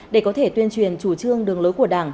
để có thể tuyên truyền chủ trương đường lối của đảng